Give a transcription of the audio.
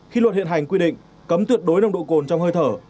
khi luật hiện hành quy định cấm tuyệt đối nồng độ cồn trong hơi thở